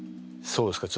そうですか。